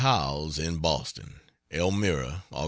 Howells, in Boston: ELMIRA, Aug.